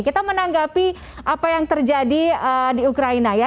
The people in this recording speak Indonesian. kita menanggapi apa yang terjadi di ukraina ya